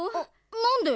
なんで？